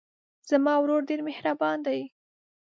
زما ورور ډېر مهربان دی.